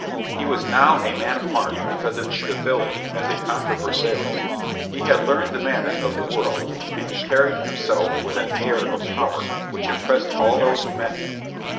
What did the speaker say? He was now a man of mark, because of his ability as a controversialist. He had learned the manners of the world, and he carried him self with an air of power which impressed all those who met him.